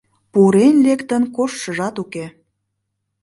Пурен лектын коштшыжат уке.